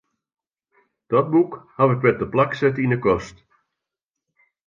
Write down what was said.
Dat boek haw ik wer teplak set yn 'e kast.